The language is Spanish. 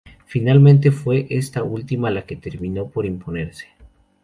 Finalmente, fue esta última la que terminó por imponerse.